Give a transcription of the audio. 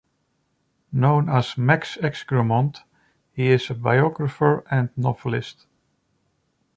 Known as "Max Egremont", he is a biographer and novelist.